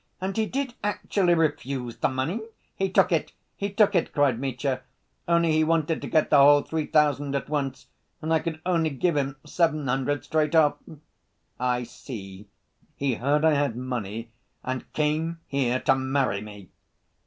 And he did actually refuse the money?" "He took it! He took it!" cried Mitya; "only he wanted to get the whole three thousand at once, and I could only give him seven hundred straight off." "I see: he heard I had money, and came here to marry me!"